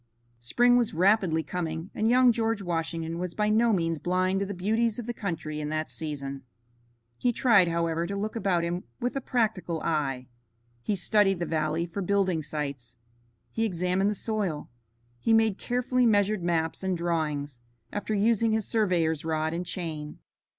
Spring was rapidly coming, and young George Washington was by no means blind to the beauties of the country in that season. He tried, however, to look about him with a practical eye. He studied the valley for building sites. He examined the soil. He made carefully measured maps and drawings, after using his surveyor's rod and chain.